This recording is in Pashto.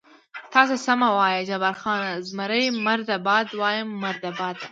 تاسې سمه وایئ، جبار خان: زمري مرده باد، وایم مرده باد.